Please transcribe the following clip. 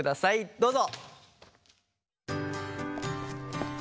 どうぞ。